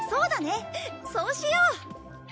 そうしよう！